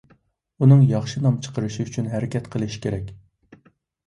ئۇنىڭ ياخشى نام چىقىرىشى ئۈچۈن ھەرىكەت قىلىشى كېرەك.